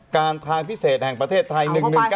การทางพิเศษแห่งประเทศไทย๑๑๙